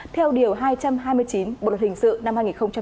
theo điều hai trăm hai mươi chín bộ luật hình sự năm hai nghìn một mươi năm